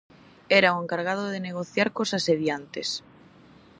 Era o encargado de negociar cos asediantes.